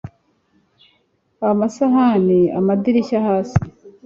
amasahani, amadirishya hasi